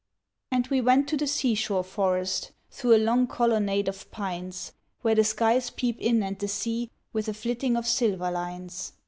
And we went to the sea shore forest, through a long colonnade of pines, Where the skies peep in and the sea, with a flitting of silver lines.